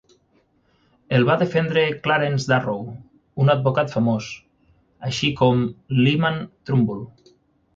El va defendre Clarence Darrow, un advocat famós, així com Lyman Trumbull.